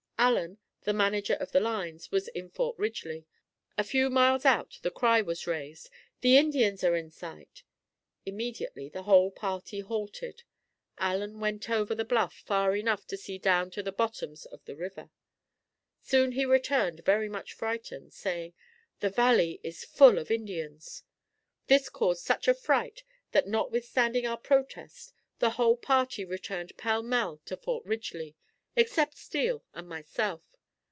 Allen, the manager of the lines, was in Fort Ridgely. A few miles out the cry was raised, "The Indians are in sight." Immediately the whole party halted. Allen went over the bluff far enough to see down to the bottoms of the river. Soon he returned very much frightened saying, "The valley is full of Indians." This caused such a fright that notwithstanding our protest, the whole party returned pell mell to Fort Ridgely, except Steele and myself.